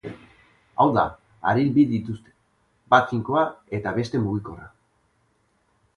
Hau da, haril bi dituzte, bat finkoa eta beste mugikorra.